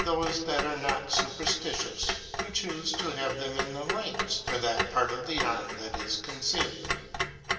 359 those that are not superstitious, who choose to have them in the legs, or that part of the arm that is concealed.